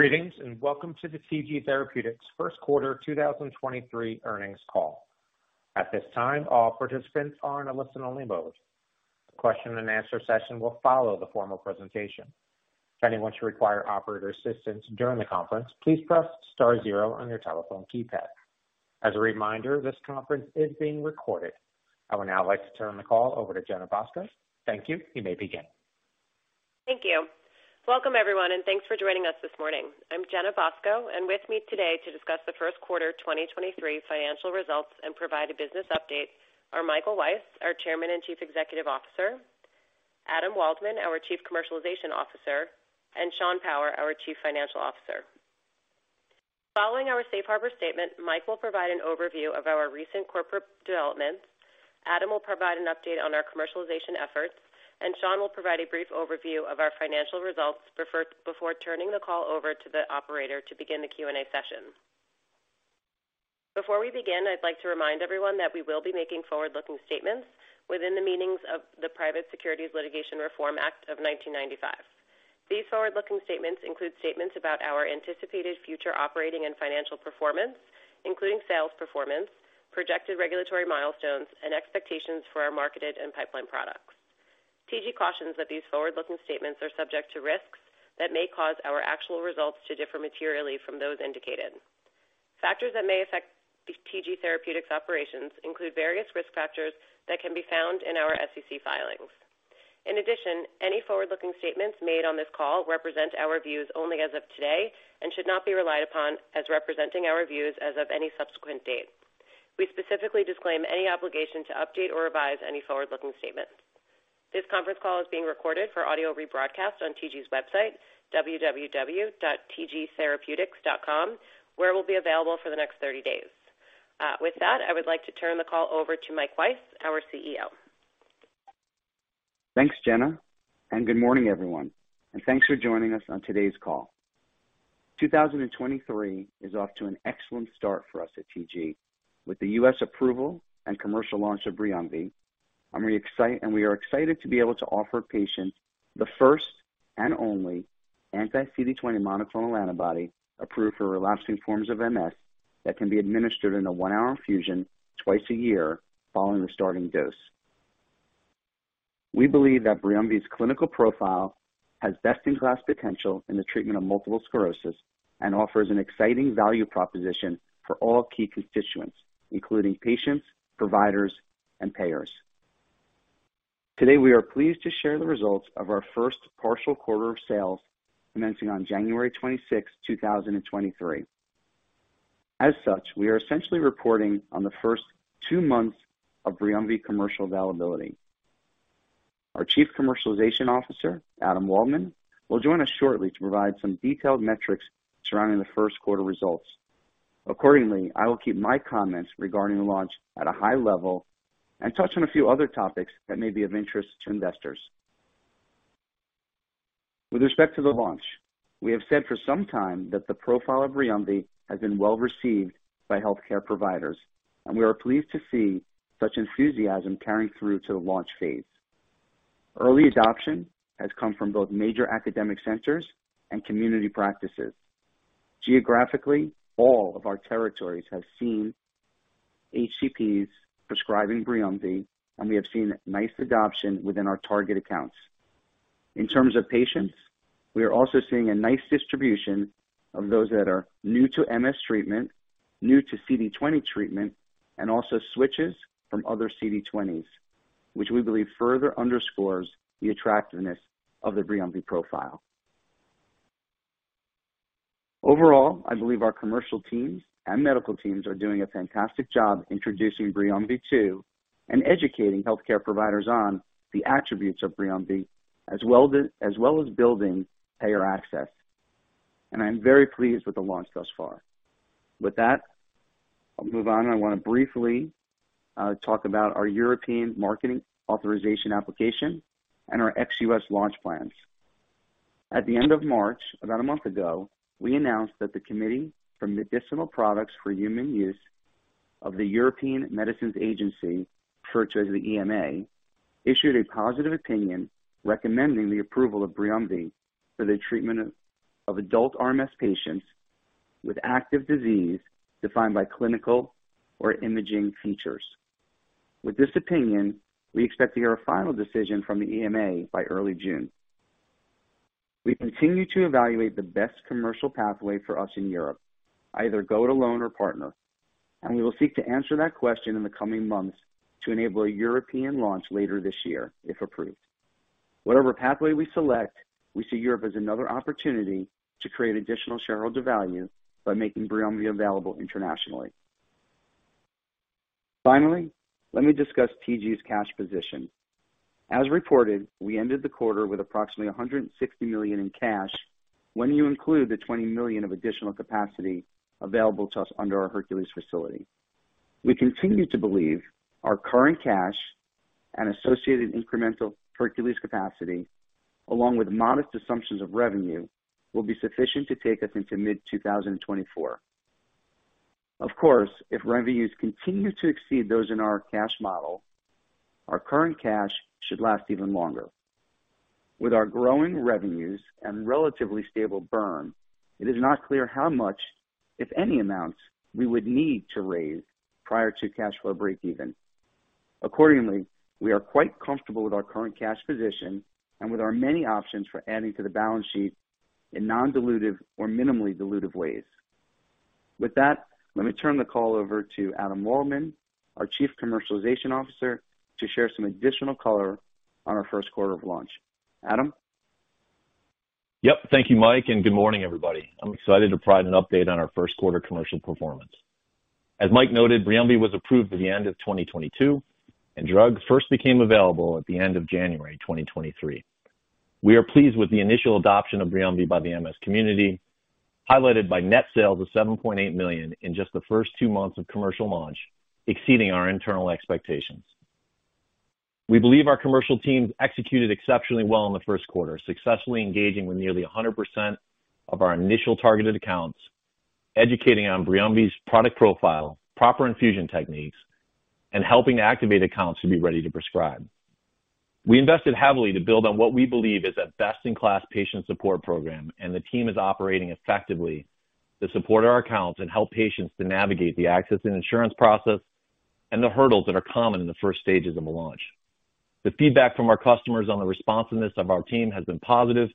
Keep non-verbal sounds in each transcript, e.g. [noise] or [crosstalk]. Greetings, welcome to the TG Therapeutics first quarter 2023 earnings call. At this time, all participants are in a listen-only mode. The question and answer session will follow the formal presentation. If anyone should require operator assistance during the conference, please press star zero on your telephone keypad. As a reminder, this conference is being recorded. I would now like to turn the call over to Jenna Bosco. Thank you. You may begin. Thank you. Welcome, everyone, and thanks for joining us this morning. I'm Jenna Bosco, and with me today to discuss the first quarter 2023 financial results and provide a business update are Michael Weiss, our Chairman and Chief Executive Officer; Adam Waldman, our Chief Commercialization Officer; and Sean Power, our Chief Financial Officer. Following our safe harbor statement, Mike will provide an overview of our recent corporate developments, Adam will provide an update on our commercialization efforts, and Sean will provide a brief overview of our financial results before turning the call over to the operator to begin the Q&A session. Before we begin, I'd like to remind everyone that we will be making forward-looking statements within the meanings of the Private Securities Litigation Reform Act of 1995. These forward-looking statements include statements about our anticipated future operating and financial performance, including sales performance, projected regulatory milestones, and expectations for our marketed and pipeline products. TG cautions that these forward-looking statements are subject to risks that may cause our actual results to differ materially from those indicated. Factors that may affect TG Therapeutics' operations include various risk factors that can be found in our SEC filings. In addition, any forward-looking statements made on this call represent our views only as of today and should not be relied upon as representing our views as of any subsequent date. We specifically disclaim any obligation to update or revise any forward-looking statements. This conference call is being recorded for audio rebroadcast on TG's website, www.tgtherapeutics.com, where it will be available for the next 30 days. With that, I would like to turn the call over to Michael Weiss, our CEO. Thanks, Jenna, good morning, everyone, and thanks for joining us on today's call. 2023 is off to an excellent start for us at TG with the US approval and commercial launch of BRIUMVI, and we are excited to be able to offer patients the first and only anti-CD20 monoclonal antibody approved for relapsing forms of MS that can be administered in a one-hour infusion two times a year following the starting dose. We believe that BRIUMVI's clinical profile has best-in-class potential in the treatment of multiple sclerosis and offers an exciting value proposition for all key constituents, including patients, providers, and payers. Today, we are pleased to share the results of our first partial quarter of sales commencing on 6 January 2023. As such, we are essentially reporting on the first two months of BRIUMVI commercial availability. Our Chief Commercialization Officer, Adam Waldman, will join us shortly to provide some detailed metrics surrounding the first quarter results. Accordingly, I will keep my comments regarding the launch at a high level and touch on a few other topics that may be of interest to investors. With respect to the launch, we have said for some time that the profile of BRIUMVI has been well received by healthcare providers, and we are pleased to see such enthusiasm carrying through to the launch phase. Early adoption has come from both major academic centers and community practices. Geographically, all of our territories have seen HCPs prescribing BRIUMVI, and we have seen nice adoption within our target accounts. In terms of patients, we are also seeing a nice distribution of those that are new to MS treatment, new to CD20 treatment, and also switches from other CD20s, which we believe further underscores the attractiveness of the BRIUMVI profile. Overall, I believe our commercial teams and medical teams are doing a fantastic job introducing BRIUMVI to and educating healthcare providers on the attributes of BRIUMVI, as well as building payer access. I am very pleased with the launch thus far. With that, I'll move on, and I wanna briefly talk about our European marketing authorisation application and our ex-US launch plans. At the end of March, about a month ago, we announced that the Committee for Medicinal Products for Human Use of the European Medicines Agency, referred to as the EMA, issued a positive opinion recommending the approval of BRIUMVI for the treatment of adult RMS patients with active disease defined by clinical or imaging features. With this opinion, we expect to hear a final decision from the EMA by early June. We continue to evaluate the best commercial pathway for us in Europe, either go it alone or partner, and we will seek to answer that question in the coming months to enable a European launch later this year if approved. Whatever pathway we select, we see Europe as another opportunity to create additional shareholder value by making BRIUMVI available internationally. Finally, let me discuss TG's cash position. As reported, we ended the quarter with approximately $160 million in cash when you include the $20 million of additional capacity available to us under our Hercules facility. We continue to believe our current cash and associated incremental Hercules capacity, along with modest assumptions of revenue, will be sufficient to take us into mid-2024. Of course, if revenues continue to exceed those in our cash model, our current cash should last even longer. With our growing revenues and relatively stable burn, it is not clear how much, if any, amounts we would need to raise prior to cash flow breakeven. Accordingly, we are quite comfortable with our current cash position and with our many options for adding to the balance sheet in non-dilutive or minimally dilutive ways. With that, let me turn the call over to Adam Waldman, our Chief Commercialization Officer, to share some additional color on our first quarter of launch. Adam? Yep. Thank you, Mike, and good morning, everybody. I'm excited to provide an update on our first quarter commercial performance. As Mike noted, BRIUMVI was approved at the end of 2022, and drug first became available at the end of January 2023. We are pleased with the initial adoption of BRIUMVI by the MS community, highlighted by net sales of $7.8 million in just the first two months of commercial launch, exceeding our internal expectations. We believe our commercial teams executed exceptionally well in the first quarter, successfully engaging with nearly 100% of our initial targeted accounts, educating on BRIUMVI's product profile, proper infusion techniques, and helping activate accounts to be ready to prescribe. We invested heavily to build on what we believe is a best-in-class patient support program, and the team is operating effectively to support our accounts and help patients to navigate the access and insurance process and the hurdles that are common in the first stages of a launch. The feedback from our customers on the responsiveness of our team has been positive,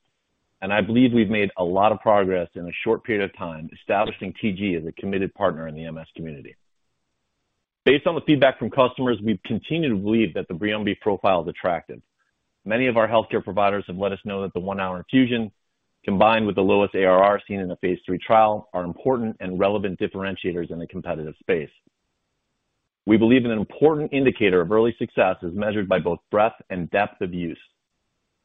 and I believe we've made a lot of progress in a short period of time establishing TG as a committed partner in the MS community. Based on the feedback from customers, we've continued to believe that the BRIUMVI profile is attractive. Many of our healthcare providers have let us know that the one-hour infusion, combined with the lowest ARR seen in the phase three trial, are important and relevant differentiators in a competitive space. We believe that an important indicator of early success is measured by both breadth and depth of use.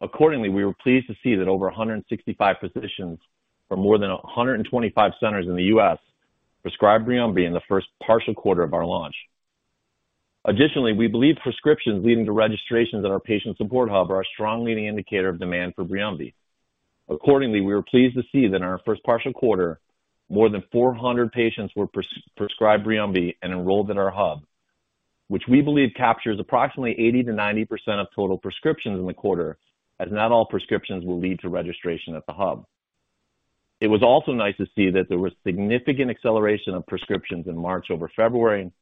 Accordingly, we were pleased to see that over 165 physicians from more than 125 centers in the US prescribed BRIUMVI in the first partial quarter of our launch. Additionally, we believe prescriptions leading to registrations at our patient support hub are a strong leading indicator of demand for BRIUMVI. Accordingly, we were pleased to see that in our first partial quarter, more than 400 patients were prescribed BRIUMVI and enrolled in our hub, which we believe captures approximately 80% to 90% of total prescriptions in the quarter, as not all prescriptions will lead to registration at the hub. It was also nice to see that there was significant acceleration of prescriptions in March over February,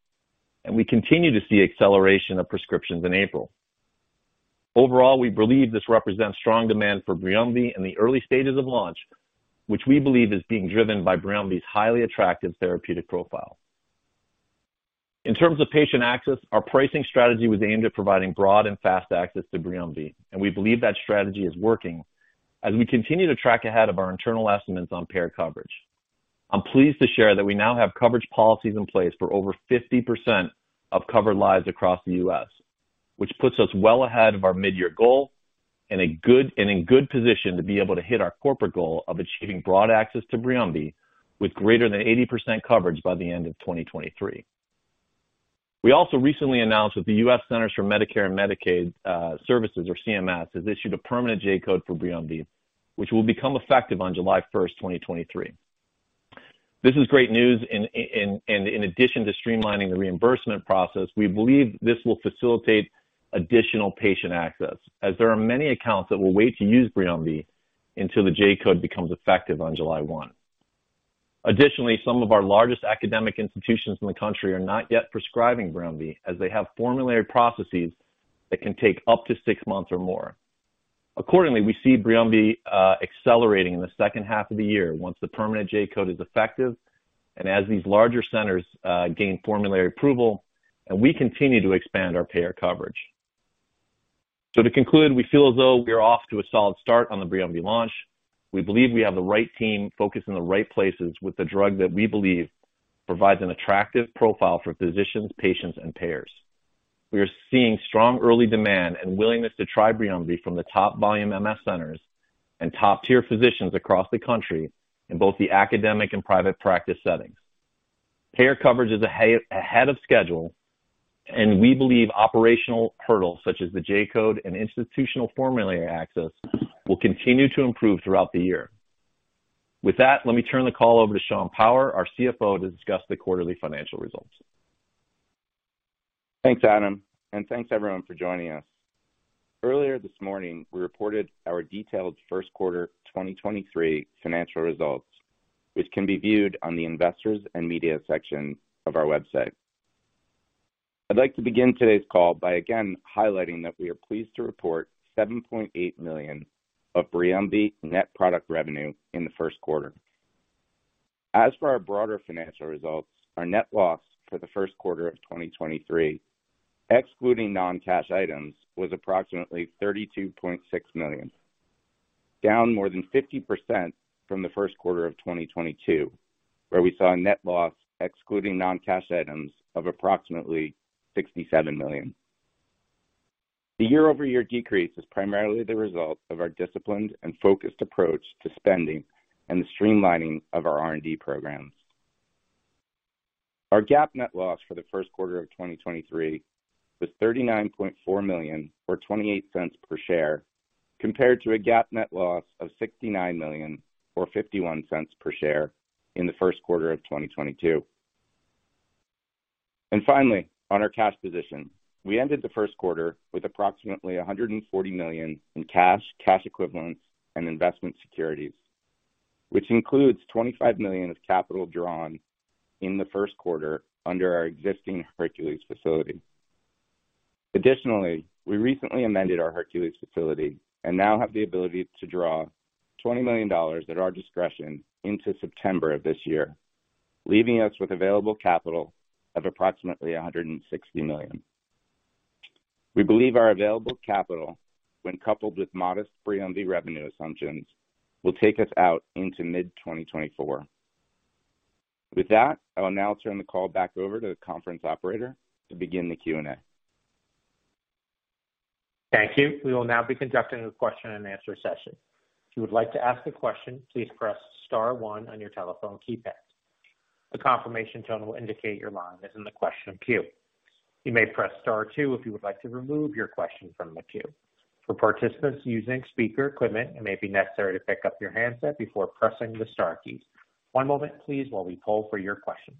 and we continue to see acceleration of prescriptions in April. Overall, we believe this represents strong demand for BRIUMVI in the early stages of launch, which we believe is being driven by BRIUMVI's highly attractive therapeutic profile. In terms of patient access, our pricing strategy was aimed at providing broad and fast access to BRIUMVI. We believe that strategy is working as we continue to track ahead of our internal estimates on payer coverage. I'm pleased to share that we now have coverage policies in place for over 50% of covered lives across the US, which puts us well ahead of our mid-year goal and in good position to be able to hit our corporate goal of achieving broad access to BRIUMVI with greater than 80% coverage by the end of 2023. We also recently announced that the US Centers for Medicare and Medicaid Services or CMS, has issued a permanent J-Code for BRIUMVI, which will become effective on 1 July 2023. This is great news. In addition to streamlining the reimbursement process, we believe this will facilitate additional patient access, as there are many accounts that will wait to use BRIUMVI until the J-Code becomes effective on 1 July 2023. Additionally, some of our largest academic institutions in the country are not yet prescribing BRIUMVI, as they have formulary processes that can take up to six months or more. Accordingly, we see BRIUMVI accelerating in the second half of the year once the permanent J-Code is effective and as these larger centers gain formulary approval, and we continue to expand our payer coverage. To conclude, we feel as though we are off to a solid start on the BRIUMVI launch. We believe we have the right team focused in the right places with a drug that we believe provides an attractive profile for physicians, patients, and payers. We are seeing strong early demand and willingness to try BRIUMVI from the top volume MS centers and top-tier physicians across the country in both the academic and private practice settings. Payer coverage is ahead of schedule, and we believe operational hurdles such as the J-Code and institutional formulary access will continue to improve throughout the year. With that, let me turn the call over to Sean Power, our CFO, to discuss the quarterly financial results. Thanks, Adam, thanks everyone for joining us. Earlier this morning, we reported our detailed first quarter 2023 financial results, which can be viewed on the Investors and Media section of our website. I'd like to begin today's call by again highlighting that we are pleased to report $7.8 million of BRIUMVI net product revenue in the first quarter. For our broader financial results, our net loss for the first quarter of 2023, excluding non-cash items, was approximately $32.6 million, down more than 50% from the first quarter of 2022, where we saw a net loss excluding non-cash items of approximately $67 million. The year-over-year decrease is primarily the result of our disciplined and focused approach to spending and the streamlining of our R&D programs. Our GAAP net loss for the first quarter of 2023 was $39.4 million or $0.28 per share. Compared to a GAAP net loss of $69 million or $0.51 per share in the first quarter of 2022. Finally, on our cash position. We ended the first quarter with approximately $140 million in cash equivalents, and investment securities, which includes $25 million of capital drawn in the first quarter under our existing Hercules facility. Additionally, we recently amended our Hercules facility and now have the ability to draw $20 million at our discretion into September of this year, leaving us with available capital of approximately $160 million. We believe our available capital, when coupled with modest BRIUMVI revenue assumptions, will take us out into mid-2024. With that, I will now turn the call back over to the conference operator to begin the Q&A. Thank you. We will now be conducting a question-and-answer session. If you would like to ask a question, please press star one on your telephone keypad. A confirmation tone will indicate your line is in the question queue. You may press star two if you would like to remove your question from the queue. For participants using speaker equipment, it may be necessary to pick up your handset before pressing the star keys. One moment please while we poll for your questions.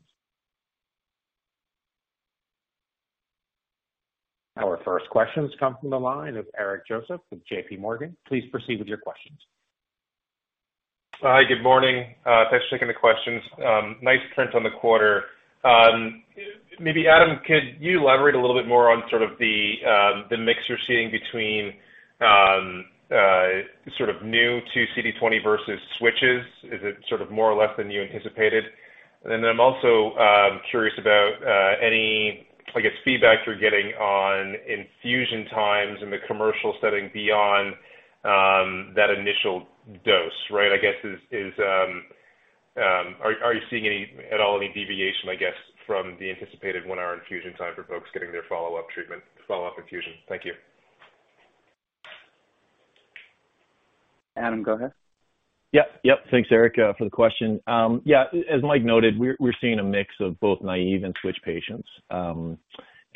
Our first questions come from the line of Eric Joseph with JPMorgan. Please proceed with your questions. Hi, good morning. Thanks for taking the questions. Nice print on the quarter. Maybe Adam, could you elaborate a little bit more on sort of the mix you're seeing between sort of new to CD20 versus switches? Is it sort of more or less than you anticipated? I'm also curious about any, I guess, feedback you're getting on infusion times in the commercial setting beyond that initial dose, right? I guess is, are you seeing any, at all any deviation, I guess, from the anticipated one-hour infusion time for folks getting their follow-up infusion? Thank you. Adam, go ahead. Yep, yep. Thanks, Eric, for the question. Yeah, as Mike noted, we're seeing a mix of both naive and switch patients.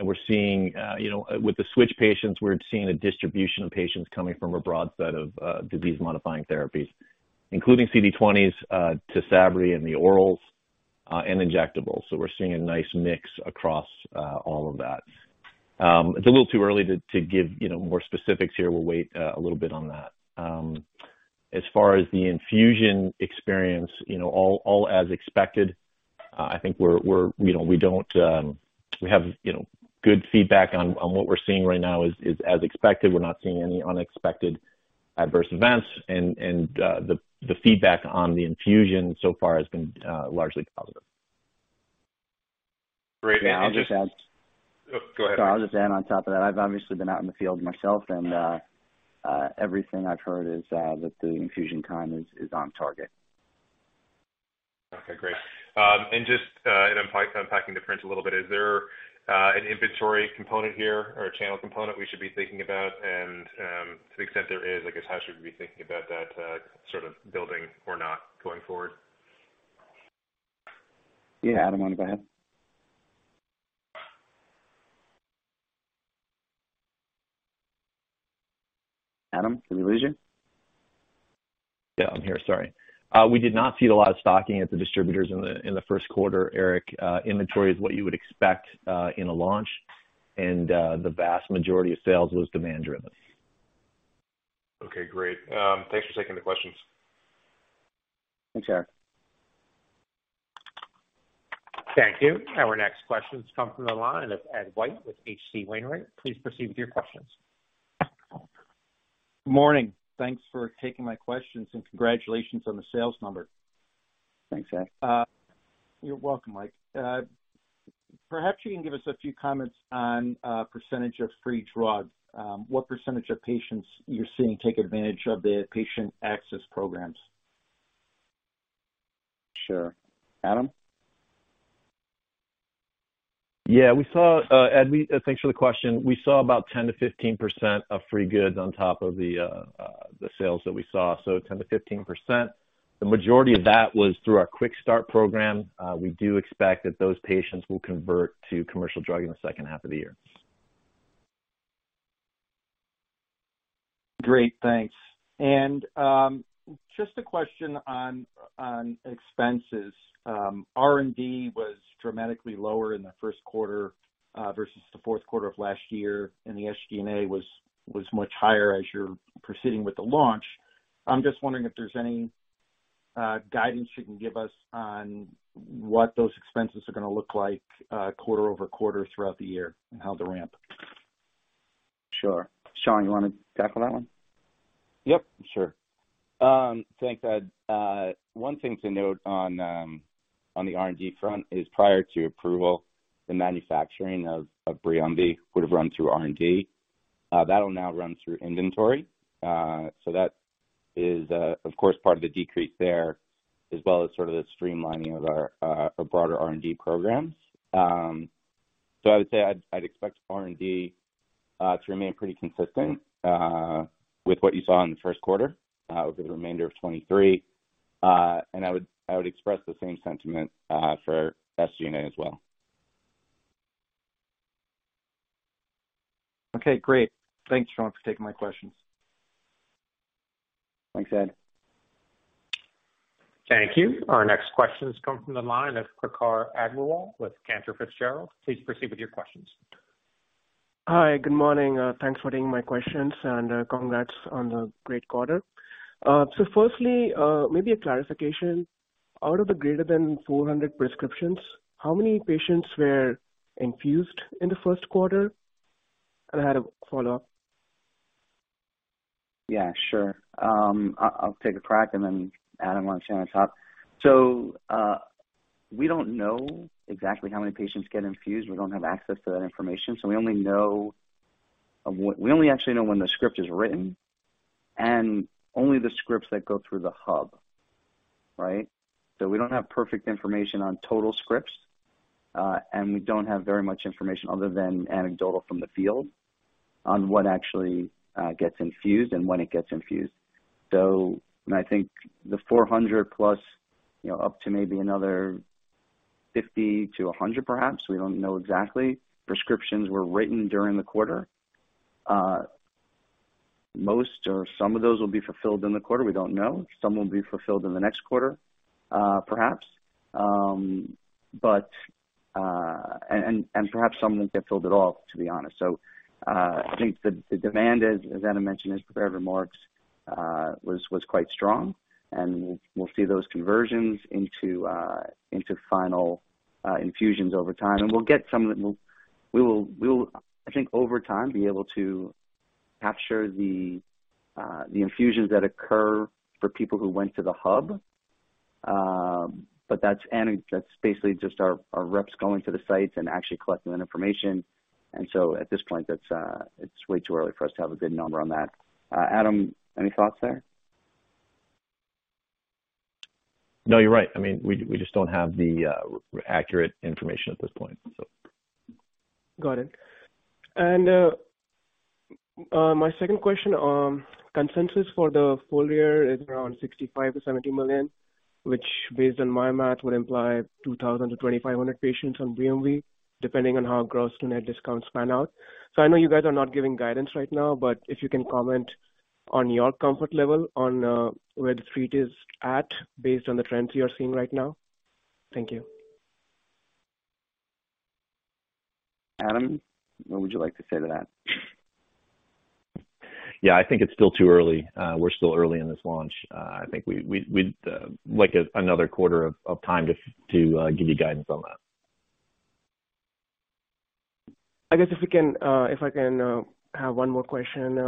We're seeing, you know, with the switch patients, we're seeing a distribution of patients coming from a broad set of disease-modifying therapies, including CD20s, Tysabri and the orals, and injectables. We're seeing a nice mix across all of that. It's a little too early to give, you know, more specifics here. We'll wait a little bit on that. As far as the infusion experience, you know, all as expected. I think we're, you know, we don't, we have, you know, good feedback on what we're seeing right now is as expected. We're not seeing any unexpected adverse events. The feedback on the infusion so far has been largely positive. Great. May I just add? Oh, go ahead. I'll just add on top of that. I've obviously been out in the field myself, and everything I've heard is that the infusion time is on target. Okay, great. Just, I'm unpacking the prints a little bit. Is there an inventory component here or a channel component we should be thinking about? To the extent there is, I guess, how should we be thinking about that, sort of building or not going forward? Yeah. Adam, why don't you go ahead. Adam, did we lose you? Yeah, I'm here. Sorry. We did not see a lot of stocking at the distributors in the first quarter, Eric. Inventory is what you would expect in a launch, and the vast majority of sales was demand driven. Okay, great. Thanks for taking the questions. Thanks, Eric. Thank you. Our next question comes from the line of Ed White with H.C. Wainwright. Please proceed with your questions. Morning. Thanks for taking my questions and congratulations on the sales number. Thanks, Ed. You're welcome, Mike. Perhaps you can give us a few comments on percentage of free drug. What percentage of patients you're seeing take advantage of the patient access programs? Sure. Adam? We saw, Ed, thanks for the question. We saw about 10% to 15% of free goods on top of the sales that we saw. 10% to 15%. The majority of that was through our Quick Start program. We do expect that those patients will convert to commercial drug in the second half of the year. Great, thanks. Just a question on expenses. R&D was dramatically lower in the first quarter versus the fourth quarter of last year. The SG&A was much higher as you're proceeding with the launch. I'm just wondering if there's any guidance you can give us on what those expenses are gonna look like quarter-over-quarter throughout the year and how they ramp. Sure. Sean, you wanna tackle that one? Yep, sure. Thanks, Ed. One thing to note on the R&D front is prior to approval, the manufacturing of BRIUMVI would have run through R&D. That'll now run through inventory. That is, of course, part of the decrease there, as well as sort of the streamlining of our broader R&D programs. I would say I'd expect R&D to remain pretty consistent with what you saw in the first quarter over the remainder of 2023. I would express the same sentiment for SG&A as well. Okay, great. Thanks, Sean, for taking my questions. Thanks, Ed. Thank you. Our next question comes from the line of Prakhar Agrawal with Cantor Fitzgerald. Please proceed with your questions. Hi, good morning. Thanks for taking my questions and congrats on the great quarter. Firstly, maybe a clarification. Out of the greater than 400 prescriptions, how many patients were infused in the first quarter? I had a follow-up. Yeah, sure. I'll take a crack and then Adam wants to chime on top. We don't know exactly how many patients get infused. We don't have access to that information. We only actually know when the script is written and only the scripts that go through the hub, right? We don't have perfect information on total scripts, and we don't have very much information other than anecdotal from the field on what actually gets infused and when it gets infused. And I think the 400 plus, you know, up to maybe another 50 to 100 perhaps. We don't know exactly. Prescriptions were written during the quarter. Most or some of those will be fulfilled in the quarter. We don't know. Some will be fulfilled in the next quarter, perhaps. And, and perhaps some won't get filled at all, to be honest. I think the demand as Adam mentioned in his prepared remarks, was quite strong. We'll, we'll see those conversions into final, infusions over time. We'll get some of it. We'll, we will, I think, over time, be able to capture the infusions that occur for people who went to the hub. That's basically just our reps going to the sites and actually collecting that information. At this point, that's, it's way too early for us to have a good number on that. Adam, any thoughts there? No, you're right. I mean, we just don't have the accurate information at this point, so. Got it. My second question. Consensus for the full year is around $65 to 70 million, which based on my math, would imply 2,000 to 2,500 patients on BRIUMVI, depending on how gross-to-net discounts pan out. I know you guys are not giving guidance right now, but if you can comment on your comfort level on where the street is at based on the trends you are seeing right now. Thank you. Adam, what would you like to say to that? I think it's still too early. We're still early in this launch. I think we'd like another quarter of time to give you guidance on that. I guess if I can have one more question.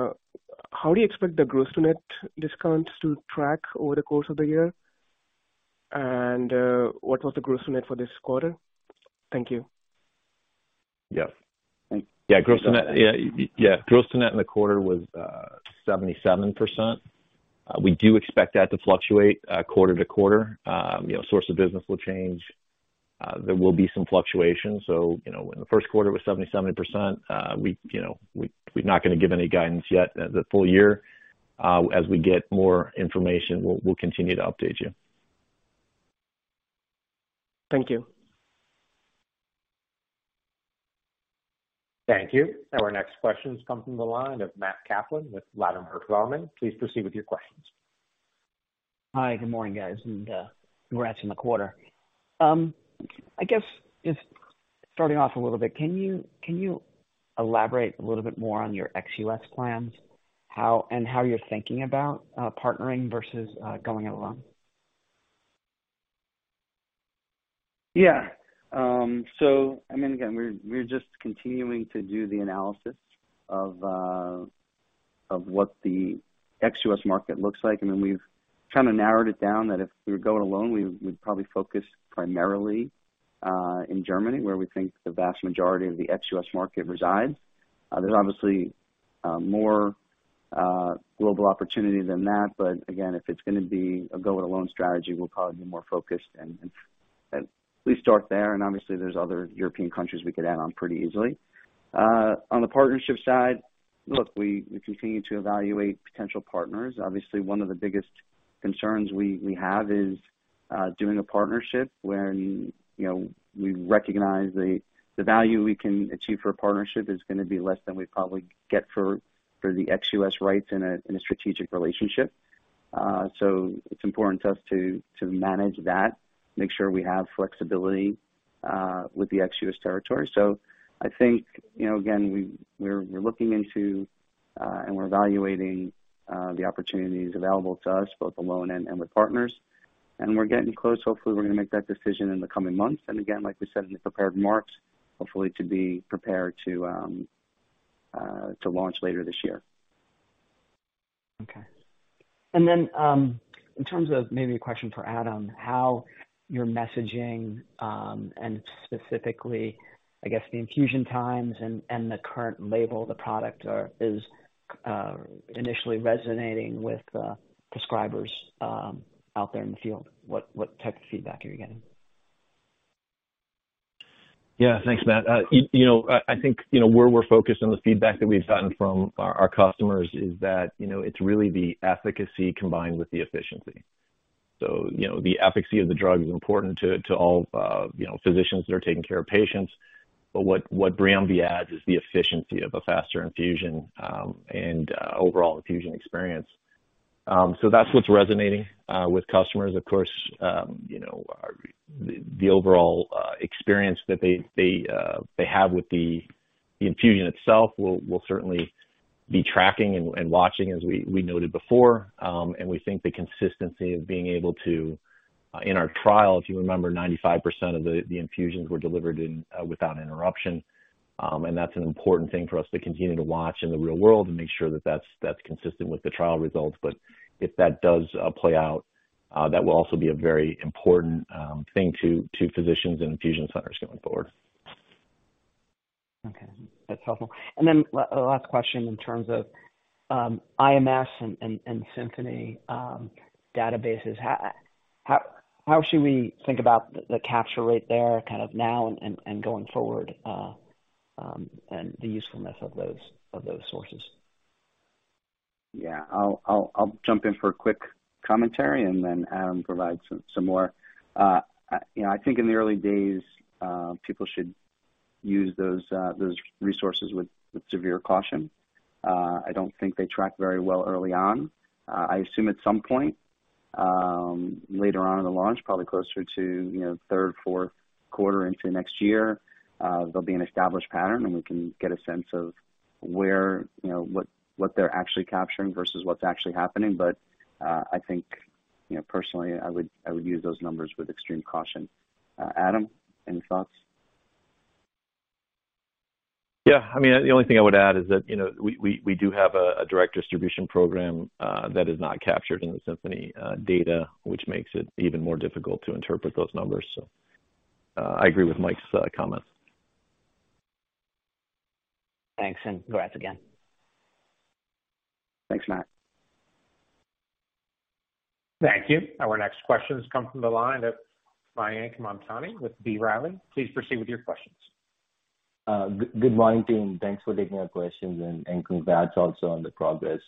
How do you expect the gross-to-net discounts to track over the course of the year? What was the gross-to-net for this quarter? Thank you. Yes. Yeah, gross to net. Yeah, yeah. Gross net in the quarter was 77%. We do expect that to fluctuate, quarter to quarter. You know, source of business will change. There will be some fluctuation. You know, in the first quarter it was 77%. We, you know, we're not gonna give any guidance yet the full year. As we get more information, we'll continue to update you. Thank you. Thank you. Our next question comes from the line of Matt Kaplan with Ladenburg Thalmann. Please proceed with your questions. Hi. Good morning, guys. Congrats on the quarter. I guess starting off a little bit, can you elaborate a little bit more on your ex-US plans, and how you're thinking about partnering versus going it alone? Yeah. I mean, again, we're just continuing to do the analysis of what the ex-US market looks like. Then we've kind of narrowed it down that if we were going alone, we would probably focus primarily in Germany, where we think the vast majority of the ex-US market resides. There's obviously more global opportunity than that, but again, if it's gonna be a go it alone strategy, we'll probably be more focused and at least start there. Obviously, there's other European countries we could add on pretty easily. On the partnership side, look, we continue to evaluate potential partners. Obviously, one of the biggest concerns we have is doing a partnership when, you know, we recognize the value we can achieve for a partnership is gonna be less than we'd probably get for the ex-US rights in a strategic relationship. It's important to us to manage that, make sure we have flexibility with the ex-US territory. I think, you know, again, we're looking into and we're evaluating the opportunities available to us both alone and with partners. We're getting close. Hopefully, we're gonna make that decision in the coming months. Again, like we said in the prepared remarks, hopefully to be prepared to launch later this year. Okay. Then, in terms of maybe a question for Adam, how you're messaging, and specifically, I guess the infusion times and the current label of the product is initially resonating with prescribers out there in the field. What type of feedback are you getting? Yeah. Thanks, Matt. You know, I think, you know, where we're focused on the feedback that we've gotten from our customers is that, you know, it's really the efficacy combined with the efficiency. So, you know, the efficacy of the drug is important to all, you know, physicians that are taking care of patients. What BRIUMVI adds is the efficiency of a faster infusion and overall infusion experience. That's what's resonating with customers. Of course, you know, the overall experience that they have with the infusion itself, we'll certainly be tracking and watching as we noted before. We think the consistency of being able to in our trial, if you remember, 95% of the infusions were delivered in without interruption. That's an important thing for us to continue to watch in the real world and make sure that that's consistent with the trial results. If that does play out, that will also be a very important thing to physicians and infusion centers going forward. Okay. That's helpful. Then last question in terms of IMS and Symphony databases. How should we think about the capture rate there kind of now and going forward and the usefulness of those sources? Yeah. I'll jump in for a quick commentary, and then Adam provide some more. You know, I think in the early days, people should use those resources with severe caution. I don't think they track very well early on. I assume at some point, later on in the launch, probably closer to, you know, third, fourth quarter into next year, there'll be an established pattern, and we can get a sense of where, you know, what they're actually capturing versus what's actually happening. I think, you know, personally, I would use those numbers with extreme caution. Adam, any thoughts? Yeah. I mean, the only thing I would add is that, you know, we do have a direct distribution program that is not captured in the Symphony data, which makes it even more difficult to interpret those numbers. I agree with Mike's comments. Thanks. Congrats again. Thanks, Matt. Thank you. Our next question has come from the line of Mayank Mamtani with B. Riley. Please proceed with your questions. Good morning, team. Thanks for taking our questions and congrats also on the progress.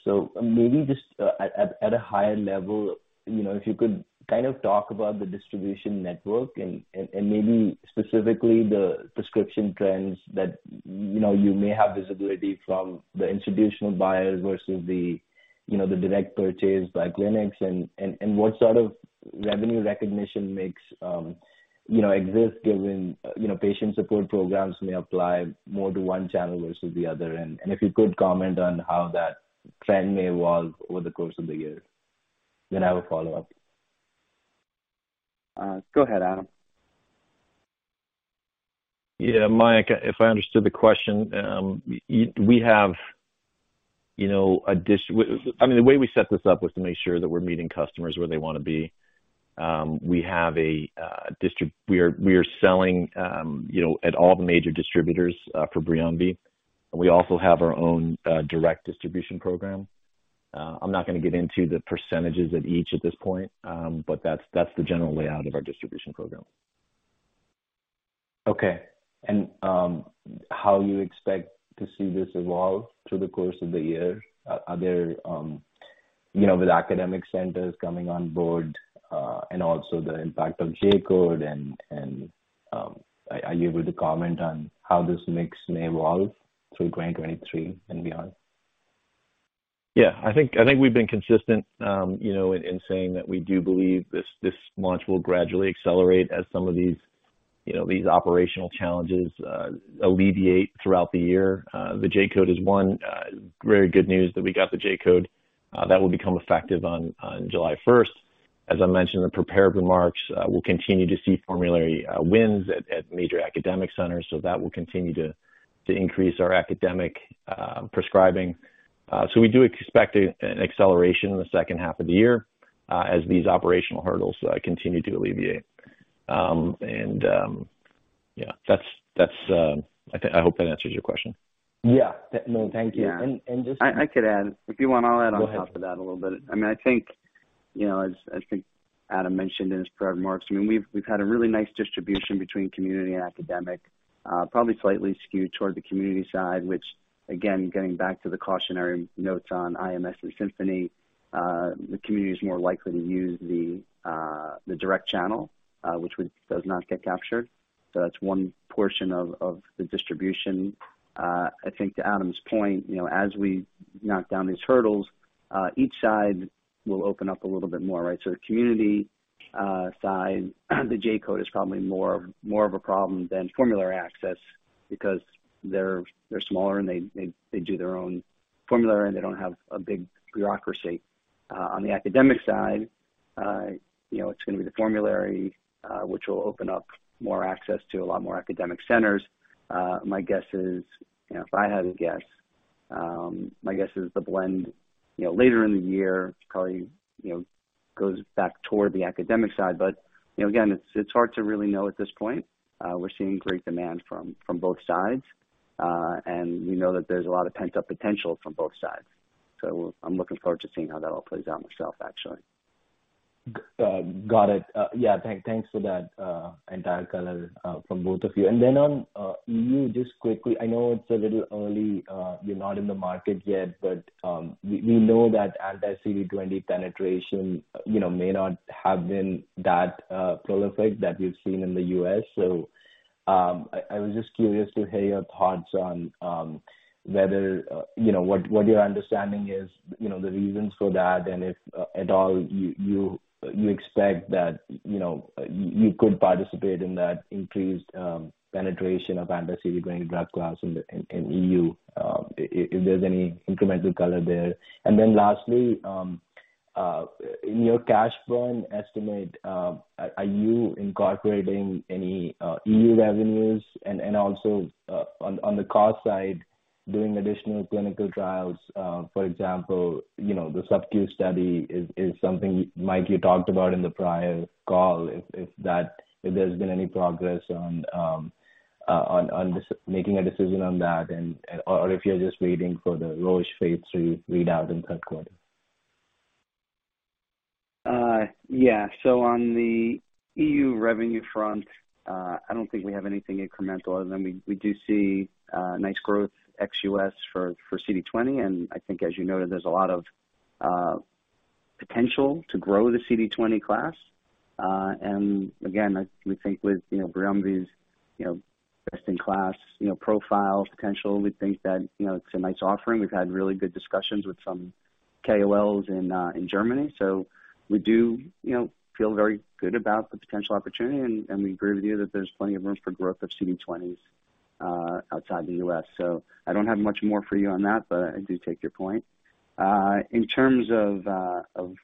Maybe just at a higher level, you know, if you could kind of talk about the distribution network and maybe specifically the prescription trends that, you know, you may have visibility from the institutional buyers versus the, you know, the direct purchase by clinics and what sort of revenue recognition makes, you know, exist given, you know, patient support programs may apply more to one channel versus the other? If you could comment on how that trend may evolve over the course of the year? I have a follow-up. Go ahead, Adam. Yeah. Mayank, if I understood the question, we have, you know, I mean, the way we set this up was to make sure that we're meeting customers where they wanna be. We are selling, you know, at all the major distributors for BRIUMVI. We also have our own direct distribution program. I'm not gonna get into the percentages of each at this point, but that's the general layout of our distribution program. Okay. How you expect to see this evolve through the course of the year? Are there, you know, with academic centers coming on board, and also the impact of J-Code and, are you able to comment on how this mix may evolve through 2023 and beyond? Yeah. I think we've been consistent, you know, in saying that we do believe this launch will gradually accelerate as some of these, you know, these operational challenges alleviate throughout the year. The J-code is one, very good news that we got the J-code, that will become effective on 1 July 2023. As I mentioned in the prepared remarks, we'll continue to see formulary wins at major academic centers, so that will continue to increase our academic prescribing. We do expect an acceleration in the second half of the year, as these operational hurdles continue to alleviate. Yeah. That's I hope that answers your question. Yeah. No. Thank you. Yeah. And, and just... [crosstalk] I could add. If you want, I'll add on top of that a little bit. Go ahead... [crosstalk] I mean, I think, you know, as I think Adam mentioned in his prepared remarks, I mean, we've had a really nice distribution between community and academic, probably slightly skewed toward the community side, which again, getting back to the cautionary notes on IMS and Symphony Health, the community is more likely to use the direct channel, which does not get captured. That's one portion of the distribution. I think to Adam's point, you know, as we knock down these hurdles, each side will open up a little bit more, right? The community side, the J-Code is probably more of a problem than formulary access because they're, they do their own formulary, and they don't have a big bureaucracy. on the academic side, you know, it's gonna be the formulary, which will open up more access to a lot more academic centers. my guess is, you know, if I had to guess, my guess is the blend, you know, later in the year probably, you know, goes back toward the academic side. you know, again, it's hard to really know at this point. we're seeing great demand from both sides. we know that there's a lot of pent-up potential from both sides. I'm looking forward to seeing how that all plays out myself, actually. Got it. Yeah, thanks for that entire color from both of you. On EU just quickly, I know it's a little early, you're not in the market yet, but we know that anti-CD20 penetration, you know, may not have been that prolific that we've seen in the US I was just curious to hear your thoughts on whether, you know, what your understanding is, you know, the reasons for that, and if at all you expect that, you know, you could participate in that increased penetration of anti-CD20 drug class in the EU, if there's any incremental color there. Lastly, in your cash burn estimate, are you incorporating any EU revenues? Also, on the cost side, doing additional clinical trials, for example, you know, the subQ study is something, Mike, you talked about in the prior call. If there's been any progress on making a decision on that and/or if you're just waiting for the Roche phase III readout in third quarter. Yeah. On the EU revenue front, I don't think we have anything incremental other than we do see nice growth ex-US for CD20. I think as you noted, there's a lot of potential to grow the CD20 class. Again, we think with, you know, BRIUMVI's, you know, best in class, you know, profile potential, we think that, you know, it's a nice offering. We've had really good discussions with some KOLs in Germany. We do, you know, feel very good about the potential opportunity. We agree with you that there's plenty of room for growth of CD20s outside the US I don't have much more for you on that, but I do take your point. In terms of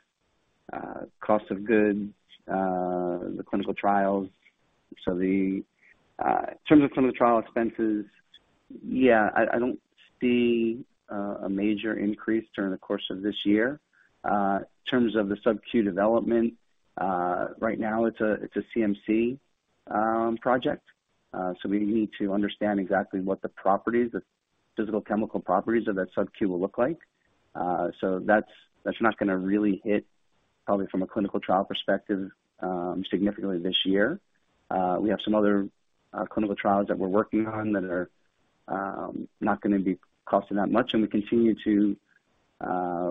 cost of goods, the clinical trials. The, in terms of clinical trial expenses, yeah, I don't see a major increase during the course of this year. In terms of the subQ development, right now it's a, it's a CMC project. We need to understand exactly what the properties, the physical chemical properties of that subQ will look like. That's, that's not gonna really hit probably from a clinical trial perspective significantly this year. We have some other clinical trials that we're working on that are not gonna be costing that much, and we continue to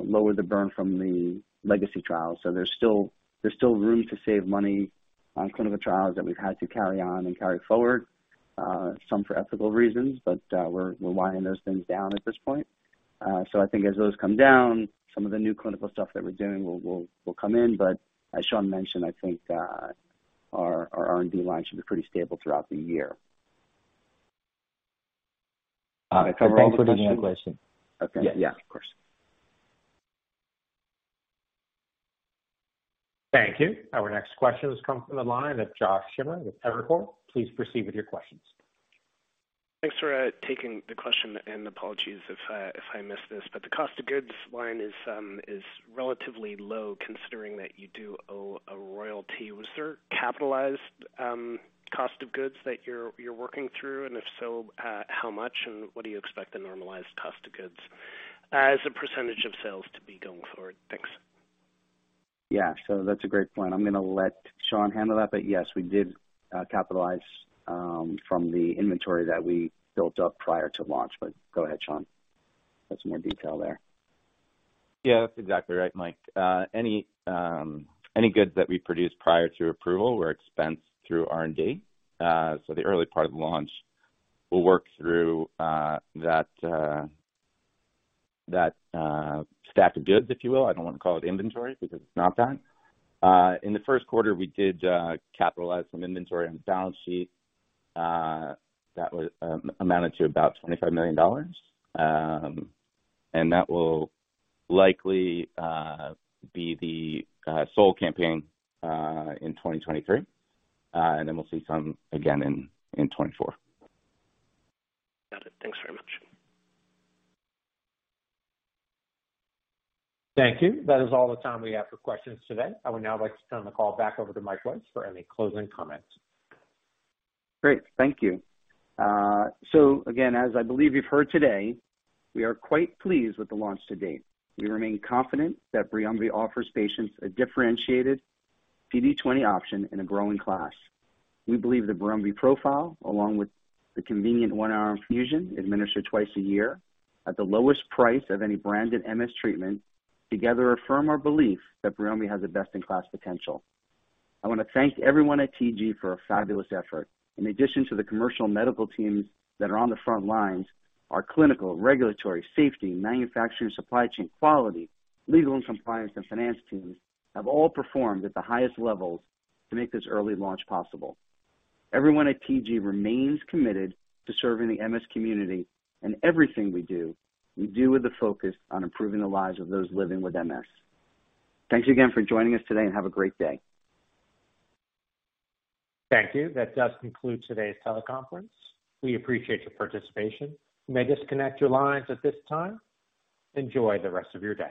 lower the burn from the legacy trials. There's still, there's still room to save money on clinical trials that we've had to carry on and carry forward, some for ethical reasons, but we're winding those things down at this point. I think as those come down, some of the new clinical stuff that we're doing will come in. As Sean mentioned, I think, our R&D line should be pretty stable throughout the year. That covers my question... [crosstalk] Okay. Yeah, of course. Thank you. Our next question comes from the line of Josh Schimmer with Evercore. Please proceed with your questions. Thanks for taking the question, and apologies if I missed this, but the cost of goods line is relatively low considering that you do owe a royalty. Was there capitalized cost of goods that you're working through? If so, how much, and what do you expect the normalized cost of goods as a % of sales to be going forward? Thanks. Yeah. That's a great point. I'm gonna let Sean handle that. Yes, we did capitalize from the inventory that we built up prior to launch. Go ahead, Sean. That's more detail there. Yeah, that's exactly right, Mike. Any goods that we produced prior to approval were expensed through R&D. The early part of the launch will work through that stack of goods, if you will. I don't wanna call it inventory because it's not that. In the first quarter, we did capitalize some inventory on the balance sheet that was amounted to about $25 million. That will likely be the sole campaign in 2023. We'll see some again in 2024. Got it. Thanks very much. Thank you. That is all the time we have for questions today. I would now like to turn the call back over to Michael Weiss for any closing comments. Great. Thank you. Again, as I believe you've heard today, we are quite pleased with the launch to date. We remain confident that BRIUMVI offers patients a differentiated CD20 option in a growing class. We believe the BRIUMVI profile, along with the convenient one-hour infusion, administered twice a year at the lowest price of any branded MS treatment, together affirm our belief that BRIUMVI has the best-in-class potential. I wanna thank everyone at TG for a fabulous effort. In addition to the commercial medical teams that are on the front lines, our clinical, regulatory, safety, manufacturing, supply chain quality, legal and compliance, and finance teams have all performed at the highest levels to make this early launch possible. Everyone at TG remains committed to serving the MS community, everything we do, we do with a focus on improving the lives of those living with MS. Thanks again for joining us today and have a great day. Thank you. That does conclude today's teleconference. We appreciate your participation. You may disconnect your lines at this time. Enjoy the rest of your day.